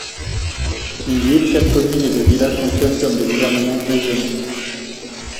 Une ville, quatre Communes et de village fonctionnent comme des gouvernements régionaux.